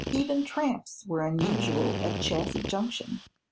Even tramps were unusual at Chazy Junction.